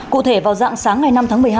cụ thể vào dạng sáng ngày năm tháng một mươi hai